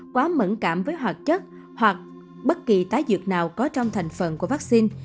quá mẩn cảm với hoạt chất hoặc bất kỳ tái dược nào có trong thành phần của vắc xin